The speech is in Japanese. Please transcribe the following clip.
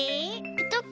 ペトッ。